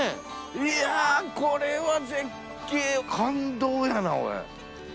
いやこれは絶景感動やなおい。